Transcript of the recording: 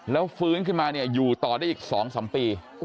แล้วฟื้นขึ้นมาเนี่ยอยู่ต่อได้อีก๒๓ปี